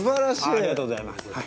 ありがとうございます。